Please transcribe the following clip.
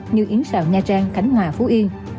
như yến xào nha trang khánh hòa phú yên